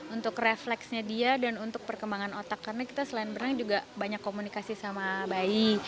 untuk refleksnya dia dan untuk perkembangan otak karena kita selain berenang juga banyak komunikasi sama bayi